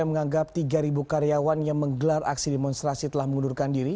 menganggap tiga karyawan yang menggelar aksi demonstrasi telah mengundurkan diri